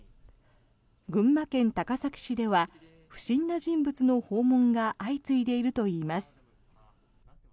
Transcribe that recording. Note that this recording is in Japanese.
群馬県高崎市では不審な人物の訪問が相次いでいるといいます。